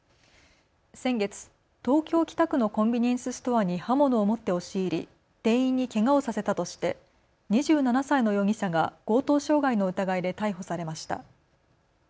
先月、東京北区のコンビニエンスストアに刃物を持って押し入り店員にけがをさせたとして２７歳の容疑者が強盗傷害の疑いで逮捕されました。